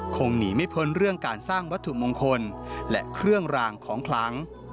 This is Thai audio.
คงหนีไม่พ้นเรื่องการสร้างวัตถุมงคลและเครื่องรางของคลัง